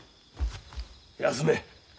休め。